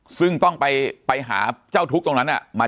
จนถึงปัจจุบันมีการมารายงานตัว